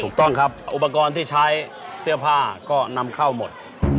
ถูกต้องครับอุปกรณ์ที่ใช้เสื้อผ้าก็นำเข้าหมด